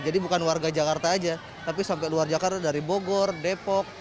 bukan warga jakarta aja tapi sampai luar jakarta dari bogor depok